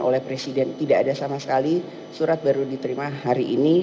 oleh presiden tidak ada sama sekali surat baru diterima hari ini